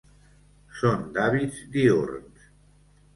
Són d'hàbits diürns.